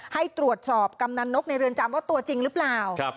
ให้ตรวจสอบกำนันนกในเรือนจำว่าตัวจริงหรือเปล่า